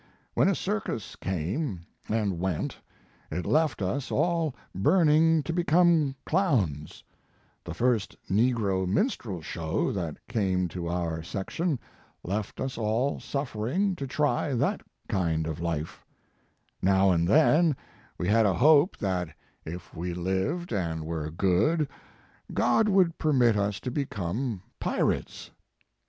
When a circus came and went it left us all burning to become clowns; the first negro minstrel show that came to our section left us all suffering to try that kind of life; now and then we had a hope His Life and Work. that if we lived and were good, God would permit us to become pirates.